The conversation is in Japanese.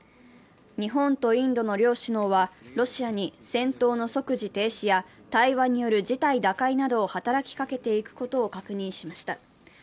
日本とインドの両首脳は、ロシアに戦闘の即時停止や対話による事態打開などを働きかけていくことを確認しました。